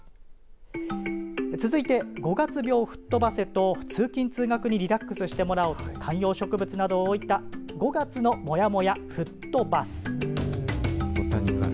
続いて五月病を吹っ飛ばせと通勤通学にリラックスしてもらおうと観葉植物などを置いた５月のモヤモヤふっ飛バス。